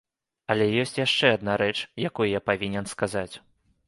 Але ёсць адна рэч, якую я павінен сказаць.